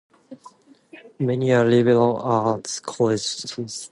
Many are liberal arts colleges.